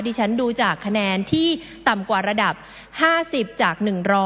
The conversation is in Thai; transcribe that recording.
ฉันดูจากคะแนนที่ต่ำกว่าระดับ๕๐จาก๑๐๐